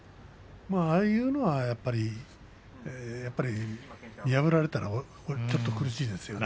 ああいうのはやっぱり見破られたらちょっと苦しいですよね。